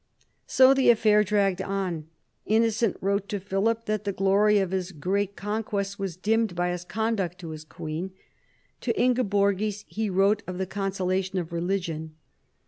So the affair dragged on. Innocent wrote to Philip that the glory of his great conquests was dimmed by his conduct to his queen. To Ingeborgis he wrote of the consolations of religion.